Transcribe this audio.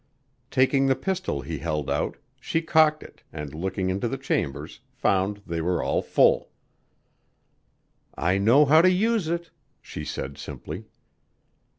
Taking the pistol he held out, she cocked it, and looking into the chambers, found they were all full. "I know how to use it," she said simply.